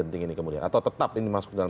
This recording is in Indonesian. penting ini kemudian atau tetap ini masuk dalam